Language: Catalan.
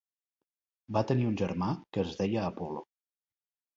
Va tenir un germà que es deia Apol·lo.